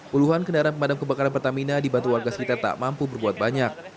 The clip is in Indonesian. puluhan kendaraan pemadam kebakaran pertamina dibantu warga sekitar tak mampu berbuat banyak